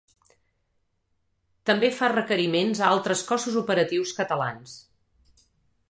També fa requeriments a altres cossos operatius catalans.